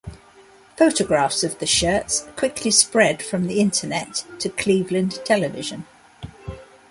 Photographs of the shirts quickly spread from the Internet to Cleveland television.